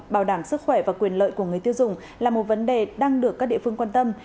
bảo đảm sức khỏe và quyền lợi của người tiêu dùng là một vấn đề đang được các địa phương quan tâm